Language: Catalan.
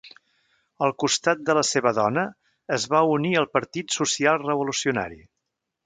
Al costat de la seva dona es va unir al Partit Social-Revolucionari.